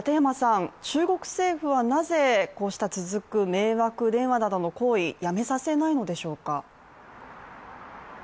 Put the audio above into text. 中国政府はなぜ、こうした続く迷惑電話などの行為、やめさせないのでしょうか。